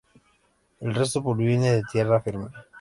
El resto, proviene de tierra firme.